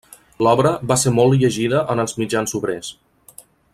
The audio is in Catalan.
L'obra va ser molt llegida en els mitjans obrers.